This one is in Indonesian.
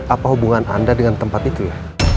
apa hubungan anda dengan tempat itu ya